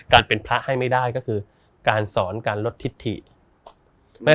การเป็นพระให้ไม่ได้ก็คือการสอนการลดทิศถิ